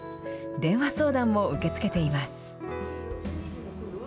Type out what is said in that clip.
電話相談も受け付けています。